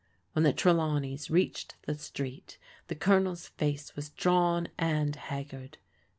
When the Trelawneys reached the street the Colonel's face was drawn and haggard.